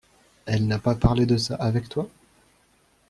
Elle n’a pas parlé de ça avec toi ?